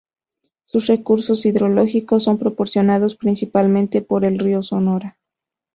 Sus recursos hidrológicos son proporcionados principalmente por el río Sonora.